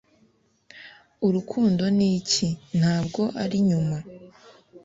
Urukundo ni iki ntabwo ari nyuma